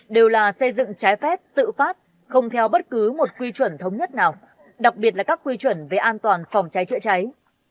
đều là xây dựng trái phép tự phát không theo bất cứ một quy chuẩn thống nhất nào đặc biệt là các quy chuẩn về an toàn phòng cháy chữa cháy